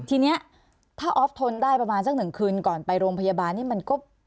ทีนี้ถ้าออฟทนได้ประมาณสักหนึ่งคืนก่อนไปโรงพยาบาลนี่มันก็